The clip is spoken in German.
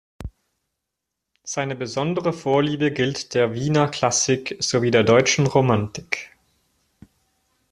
Seine besondere Vorliebe gilt der Wiener Klassik sowie der deutschen Romantik.